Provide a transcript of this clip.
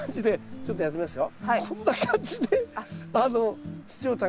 ちょっとやってみますね。